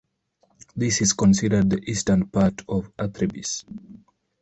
This is considered the eastern part of Athribis.